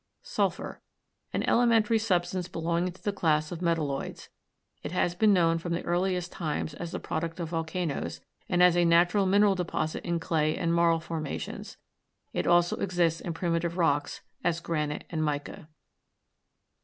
SULPHUR. An elementary substance belonging to the class of metalloids. It has been known from the earliest times as the product of volcanoes, and as a natural mineral deposit in clay and marl formations. It also exists in primitive rocks, as granite and mica.